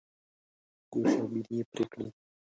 ګوش او بیني یې پرې کړل.